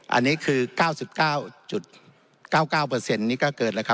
อันนี้คือ๙๙๙๙เปอร์เซ็นต์นี้ก็เกิดแล้วครับ